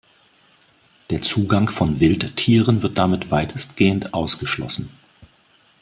Der Zugang von Wildtieren wird damit weitestgehend ausgeschlossen.